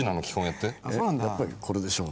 やっぱりこれでしょう。